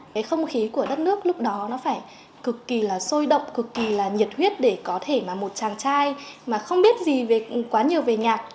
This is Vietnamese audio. cái không khí của đất nước lúc đó nó phải cực kỳ là sôi động cực kỳ là nhiệt huyết để có thể mà một chàng trai mà không biết gì quá nhiều về nhạc